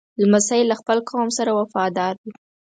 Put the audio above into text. لمسی له خپل قوم سره وفادار وي.